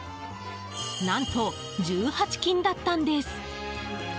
何と、１８金だったんです。